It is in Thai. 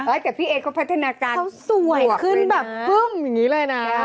แต่พี่เอ๊เขาพัฒนาการเขาสวยขึ้นแบบปึ้มอย่างนี้เลยนะ